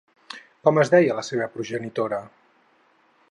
Com es deia la seva progenitora?